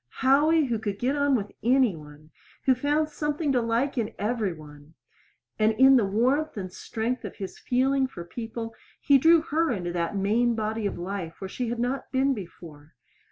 Howie, who could get on with any one, who found something to like in every one; and in the warmth and strength of his feeling for people he drew her into that main body of life where she had not been before.